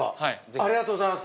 ありがとうございます！